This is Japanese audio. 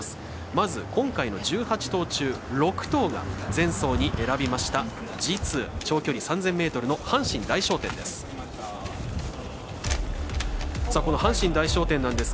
まず、今回の１８頭中６頭が、前走に選びましたＧ２長距離の阪神大賞典です。